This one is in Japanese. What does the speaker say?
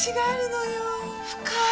深い。